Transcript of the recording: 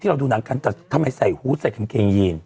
ที่เราดูหนังกันแต่ทำไมใส่ใส่กางเครงอือ